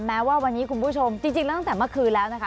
แม้ว่าวันนี้คุณผู้ชมจริงแล้วตั้งแต่เมื่อคืนแล้วนะคะ